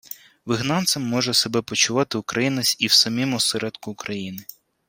Вигнанцем може себе почувати Українець і в самім осередку України…